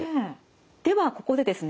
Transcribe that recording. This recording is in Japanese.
ではここでですね